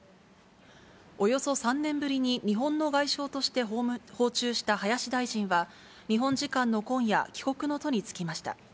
およそ３年ぶりに日本の外相として訪中した林大臣は、日本時間の今夜、帰国の途に就きました。